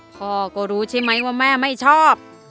พ่อก็รู้ใช่ไหมว่าแม่ไม่ชอบ